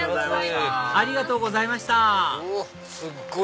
ありがとうございましたすっごい！